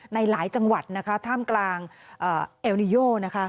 ในหลายจังหวัดนะคะท่ามกลางเอลนิโยนะคะ